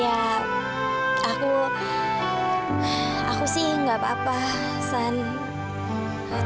ya aku aku sih nggak apa apa om